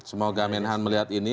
semoga menhan melihat ini